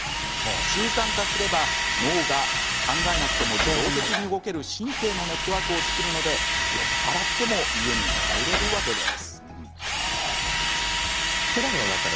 習慣化すれば脳が考えなくても自動的に動ける神経のネットワークを作るので酔っぱらっても家に帰れるわけです。